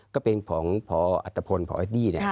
ก็เป็นของพอัตภพลพไอดี้เนี่ย